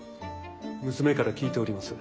娘から聞いております。